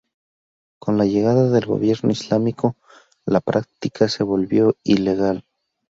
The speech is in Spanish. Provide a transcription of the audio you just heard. Con la llegada del gobierno islámico, la práctica se volvió ilegal.